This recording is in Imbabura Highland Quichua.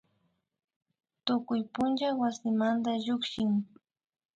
Tukuy punlla wasimanda llukshin